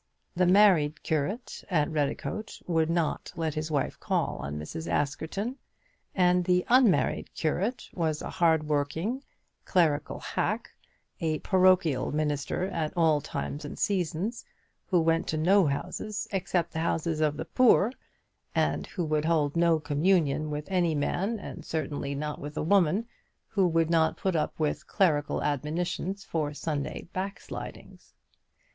The married curate at Redicote would not let his wife call on Mrs. Askerton, and the unmarried curate was a hard worked, clerical hack, a parochial minister at all times and seasons, who went to no houses except the houses of the poor, and who would hold communion with no man, and certainly with no woman, who would not put up with clerical admonitions for Sunday backslidings.